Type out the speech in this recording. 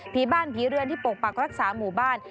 ผีบ้านผีเรือนที่ปกปักรักษาหมู่บ้าน